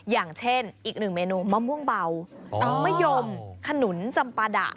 อย่างเช่นอีกหนึ่งเมนูมะม่วงเบามะยมขนุนจำปาดะ